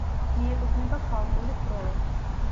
მიეკუთვნება ქალწულის გროვას.